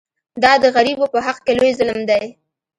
دا د غریبو په حق کې لوی ظلم دی.